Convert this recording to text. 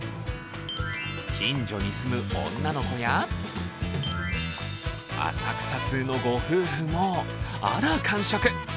近所に住む女の子や浅草通のご夫婦も、あら完食。